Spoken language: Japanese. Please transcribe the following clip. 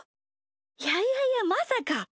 いやいやいやまさか。